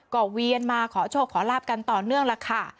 ก็เวียนมาขอโชคขอลาบกันต่อเนื่องล่ะค่ะ